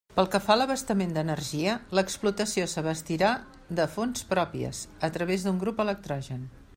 Pel que fa a l'abastament d'energia, l'explotació s'abastirà de fonts pròpies, a través d'un grup electrogen.